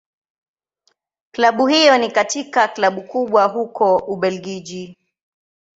Klabu hiyo ni katika Klabu kubwa huko Ubelgiji.